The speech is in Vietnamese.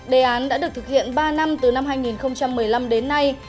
đề án đã được thực hiện ba năm từ năm hai nghìn một mươi năm đến nay